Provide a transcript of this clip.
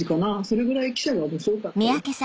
それぐらい記者が面白かったです。